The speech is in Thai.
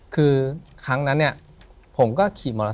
ถูกต้องไหมครับถูกต้องไหมครับ